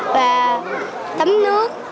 và tắm nước